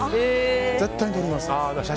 絶対に撮ります。